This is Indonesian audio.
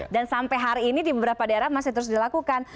dan sampai hari ini di beberapa daerah masih terus dilakukan